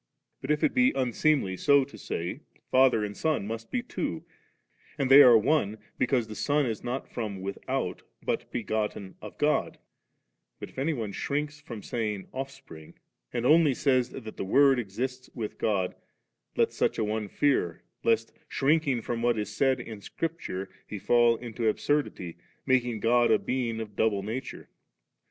But if it be unseemly so to say. Father and Son must be two; and they are •one, because the Son is not from without, but begotten of God But if any one shrinks from saying '0£&pring,' and only says that the Word exists with God, let such a one fear lest, shrinking from what is said in Scripture, he ttHl into absurdity, making God a being of double nature.